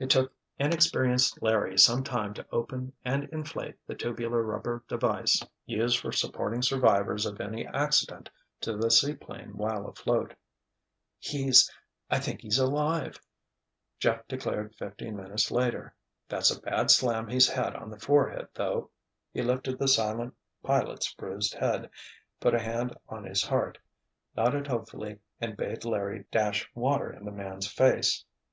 It took inexperienced Larry some time to open and inflate the tubular rubber device used for supporting survivors of any accident to the seaplane while afloat. "He's—I think he's alive," Jeff declared fifteen minutes later. "That's a bad slam he's had on the forehead, though." He lifted the silent pilot's bruised head, put a hand on his heart, nodded hopefully and bade Larry dash water in the man's face.